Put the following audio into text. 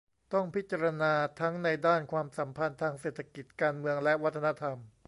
ต้องพิจารณาทั้งในด้านความสัมพันธ์ทางเศรษฐกิจ การเมืองและวัฒนธรรม